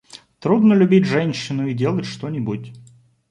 Трудно любить женщину и делать что-нибудь.